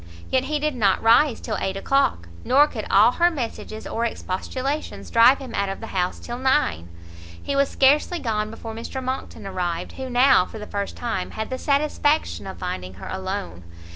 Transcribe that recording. Yet he did not rise till eight o'clock, nor could all her messages or expostulations drive him out of the house till nine. He was scarcely gone before Mr Monckton arrived, who now for the first time had the satisfaction of finding her alone.